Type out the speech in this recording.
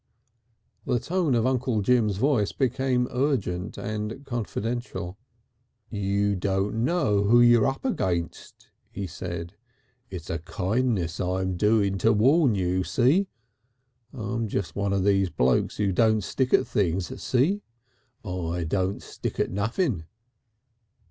The tone of Uncle Jim's voice became urgent and confidential. "You don't know who you're up against," he said. "It's a kindness I'm doing to warn you. See? I'm just one of those blokes who don't stick at things, see? I don't stick at nuffin'."